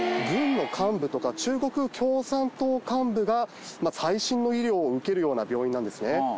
軍の幹部とか中国共産党幹部が最新の医療を受けるような病院なんですね。